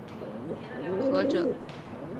最早描绘回溯时间旅行的作品不确定为何者。